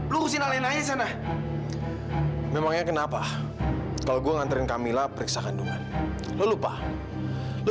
lu sih lain aja sana memangnya kenapa kalau gue nganterin kamila periksa kandungan lupa lu